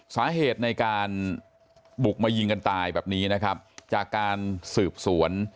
สาเหตุในการบุกมายิงกันตายแบบนี้นะครับจากการสืบสวน